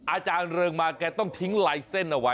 อาจารย์เริงมาแกต้องทิ้งลายเส้นเอาไว้